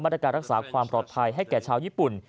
ตรการรักษาความปลอดภัยให้แก่ชาวญี่ปุ่น